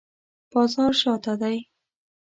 بازار شاته دی